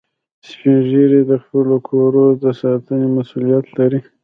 سپین ږیری د خپلو کورو د ساتنې مسئولیت لري